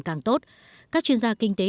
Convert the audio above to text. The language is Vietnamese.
càng tốt các chuyên gia kinh tế